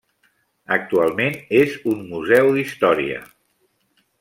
Actualment és un museu d'història.